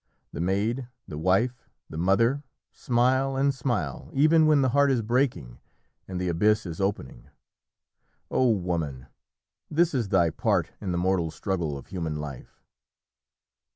The maid, the wife, the mother, smile and smile, even when the heart is breaking and the abyss is opening. O woman! this is thy part in the mortal struggle of human life!"